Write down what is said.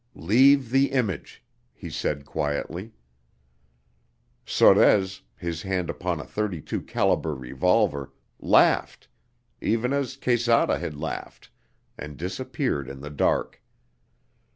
"Leave the image," he said quietly. Sorez, his hand upon a thirty two caliber revolver, laughed (even as Quesada had laughed) and disappeared in the dark.